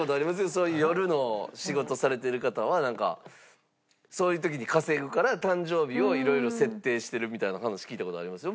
そういう夜の仕事されてる方はなんかそういう時に稼ぐから誕生日を色々設定してるみたいな話聞いた事ありますよ